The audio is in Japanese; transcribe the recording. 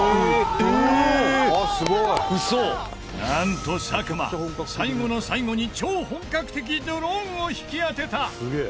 なんと作間最後の最後に超本格的ドローンを引き当てた！